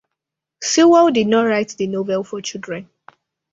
Sewell did not write the novel for children.